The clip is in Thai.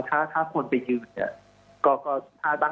ถ้าคนไปยืน